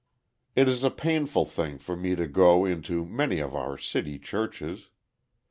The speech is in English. It is a painful thing for me to go into many of our city churches.